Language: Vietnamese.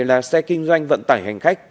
là xe kinh doanh vận tải hành khách